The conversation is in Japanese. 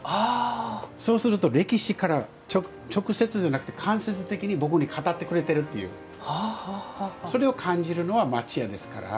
そうすると、歴史から直接ではなくて間接的に僕に語ってくれてるというそれを感じるのは町家ですから。